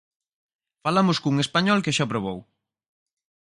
Falamos cun español que xa a probou.